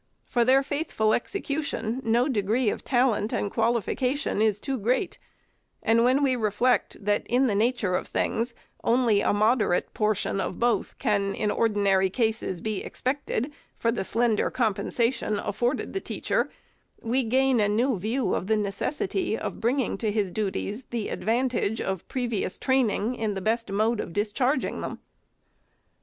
For their faithful execution, no degree of 378 FIRST ANNUAL REPORT talent and qualification is too great ; and when we reflect that in the nature of things only a moderate portion of both can, in ordinary cases, be expected, for the slender compensation afforded the teacher, we gain a new view of the necessity of bringing to his duties the advantage of previous training in the best mode of discharging them.